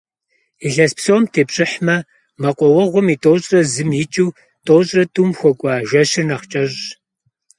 Илъэс псом тепщӀыхьмэ, мэкъуауэгъуэм и тӏощӏрэ зым икӀыу тӏощӏрэ тӏум хуэкӀуэ жэщыр нэхъ кӀэщӀщ.